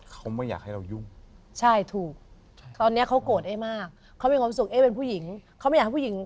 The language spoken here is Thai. เขาไม่อยากให้ผู้หญิง